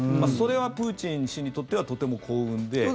それはプーチン氏にとってはとても幸運で。